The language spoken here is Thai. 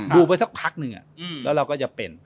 ดูไปสักพักหนึ่งแล้วเราก็จะเป็น